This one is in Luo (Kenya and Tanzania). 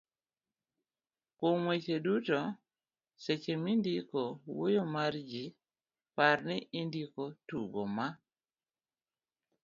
kuom weche duto, seche mindiko wuoyo mar ji, par ni indiko tugo ma